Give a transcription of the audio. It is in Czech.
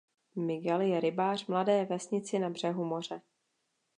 Miguel je rybář v malé vesnici na břehu moře.